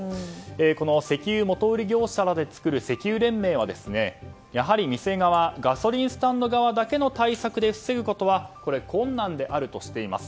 この石油元売り業者らで作る石油連盟はやはり店側ガソリンスタンド側の対策で防ぐことは困難であるとしています。